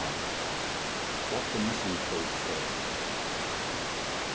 WHAT THE MISANTHROPE SAID.